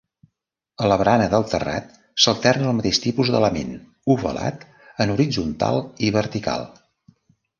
A la barana del terrat s'alterna el mateix tipus d'element ovalat en horitzontal i vertical.